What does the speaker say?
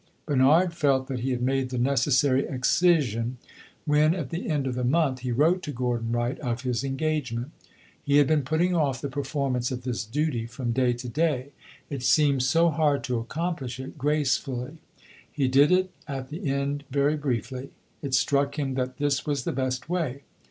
Bernard felt that he had made the necessary excision when, at the end of the month, he wrote to Gordon Wright of his engagement. He had been putting off the performance of this duty from day to day it seemed so hard to accomplish it gracefully. He did it at the end very briefly; it struck him that this was the best way.